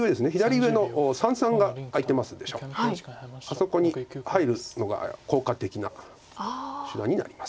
あそこに入るのが効果的な手段になります。